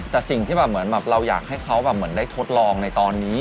แต่สิ่งที่เราอยากให้เขาได้ทดลองในตอนนี้